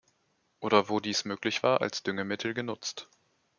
Oder wo dies möglich war, als Düngemittel genutzt.